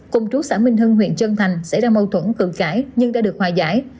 cùng chú xã minh hưng huyện trân thành xảy ra mâu thuẫn cự cãi nhưng đã được hòa giải